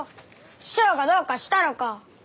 師匠がどうかしたのか？